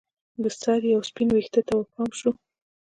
د سر یوه سپین ویښته ته ورپام شو